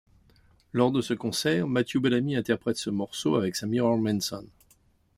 Lors de ce concert, Matthew Bellamy interprète ce morceau avec sa Mirror Manson.